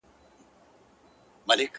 • کډه ستا له کلي بارومه نور ..